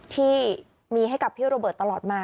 ที่มีให้กับพี่โรเบิร์ตตลอดมา